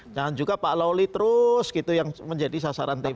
jangan juga pak lawli terus menjadi sasaran teman